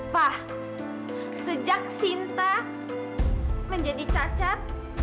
pak sejak sinta menjadi cacat